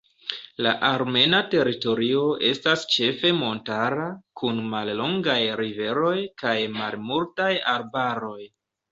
La armena teritorio estas ĉefe montara, kun mallongaj riveroj kaj malmultaj arbaroj.